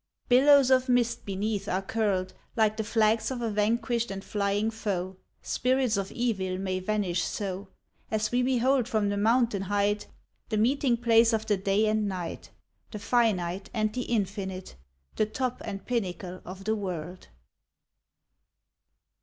Billows of mist beneath are curled Like the flags of a vanquished and flying foe, (Spirits of evil may vanish so, ) As we behold from the mountain height The meeting place of the day and night, The finite, and the infinite, The top and pinnacle of the world.